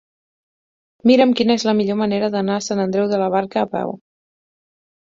Mira'm quina és la millor manera d'anar a Sant Andreu de la Barca a peu.